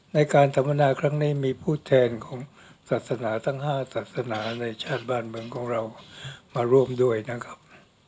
ในการสัมมนาครั้งนี้มีผู้แทนของศาสนาตั้ง๕ศาสนาในชาติบ้านเมืองของเรามาร่วมด้วยนะครับ